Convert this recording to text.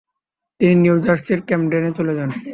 তিনি নিউ জার্সির ক্যামডেনে চলে যান।